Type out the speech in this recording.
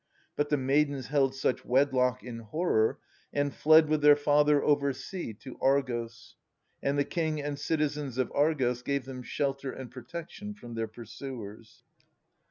But the maidens held such wedlock in horror, and fled with their father over sea to Argos ;. and the king and citizens of Argos gave them shelter and protection from their pursuers.